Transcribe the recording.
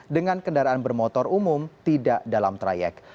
dengan kendaraan bermotor umum tidak dalam trayek